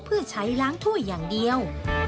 เพื่อใช้ล้างถ้วยอย่างเดียว